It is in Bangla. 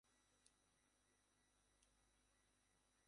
উহা আমার নাকের সংস্পর্শে আসিলে আমি বিরক্তবোধ করিব।